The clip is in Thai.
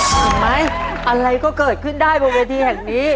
เห็นมั้ยอะไรก็เกิดขึ้นได้บนวีดีแห่งนี้